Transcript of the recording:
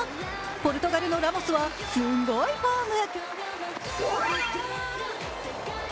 ポルトガルのラモスは、すんごいフォーム。